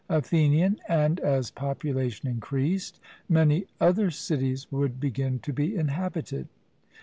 ATHENIAN: And, as population increased, many other cities would begin to be inhabited.